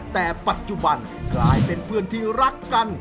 แต่ปัจจุบันกลายเป็นเพื่อนที่รักกัน